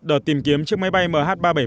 đợt tìm kiếm chiếc máy bay malaysia đã bị mất tích